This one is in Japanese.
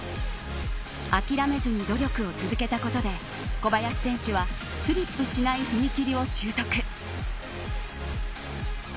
あきめずに努力を続けたことで小林選手はスリップしない踏み切りを習得。